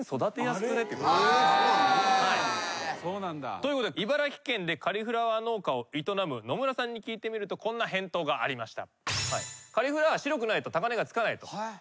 ということで茨城県でカリフラワー農家を営む野村さんに聞いてみるとこんな返答がありました。